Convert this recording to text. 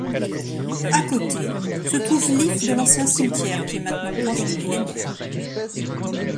À côté se trouve l'if de l'ancien cimetière qui est maintenant proche du millénaire.